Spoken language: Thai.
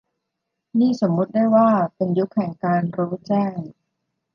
นี่สมมติได้ว่าเป็นยุคแห่งการรู้แจ้ง